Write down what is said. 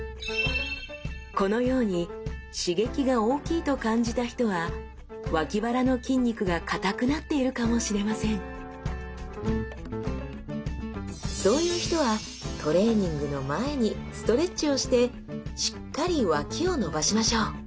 このように刺激が大きいと感じた人はわき腹の筋肉が硬くなっているかもしれませんそういう人はトレーニングの前にストレッチをしてしっかりわきを伸ばしましょう